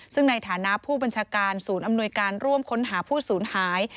ซึ่งในฐานะผู้บัญชาการศูนย์อำนวยการร่วมค้นหาผู้สูญหาย